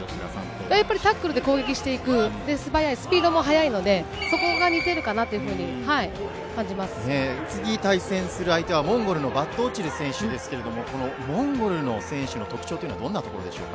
やっぱりタックルで攻撃していく、素早い、スピードも速いので、そこが似てるかなというふう次対戦する相手は、モンゴルのバトオチル選手なんですけれども、このモンゴルの選手の特徴というのはどういうところでしょうか。